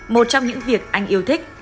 một trong những việc anh yêu thích